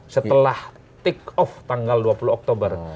setelah take off tanggal dua puluh oktober